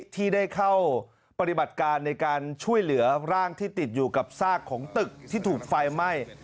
ที่ได้เข้าปฏิบัติการในการช่วยเหลือร่างที่ติดอยู่กับซากของตึกที่ถูกไฟไหม้